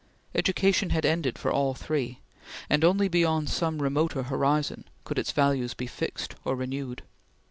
Education had ended for all three, and only beyond some remoter horizon could its values be fixed or renewed.